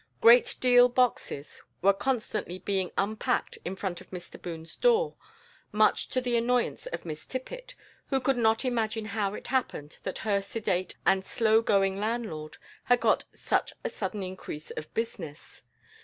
Great deal boxes were constantly being unpacked in front of Mr Boone's door, much to the annoyance of Miss Tippet, who could not imagine how it happened that her sedate and slow going landlord had got such a sudden increase of business.